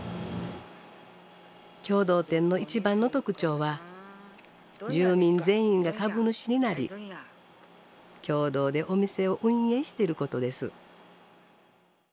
共同店の一番の特徴は住民全員が株主になり共同でお店を運営していることです。